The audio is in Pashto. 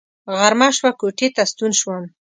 غرمه شوه کوټې ته ستون شوم.